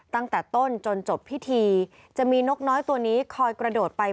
ตั้งแต่ต้นจนจบพิธีจะมีนกน้อยตัวนี้คอยกระโดดไป